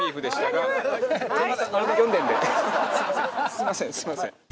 すみませんすみません。